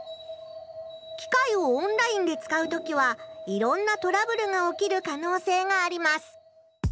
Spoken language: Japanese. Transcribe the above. きかいをオンラインで使う時はいろんなトラブルが起きるかのうせいがあります。